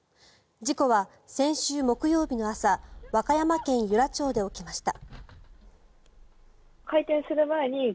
事故は先週木曜日の朝和歌山県由良町で起きました。